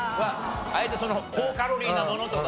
あえてその高カロリーなものとかね。